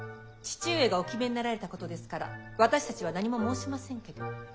父上がお決めになられたことですから私たちは何も申しませんけど。